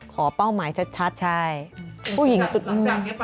ขอเป้าหมายชัดผู้หญิงตุ๊ดมือหลังจากนี้ไป